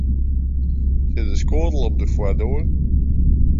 Sit de skoattel op de foardoar?